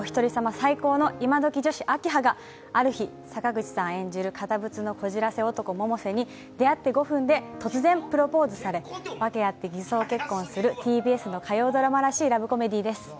最高のイマドキ女子・明葉がある日、坂口さん演じる堅物のこじらせ男・百瀬に出会って５分で突然プロポーズされわけあって偽装結婚する、ＴＢＳの火曜ドラマらしいドラマです。